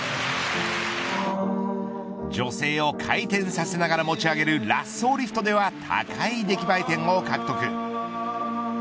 女性を回転させながら持ち上げるラッソーリフトでは高い出来栄え点を獲得。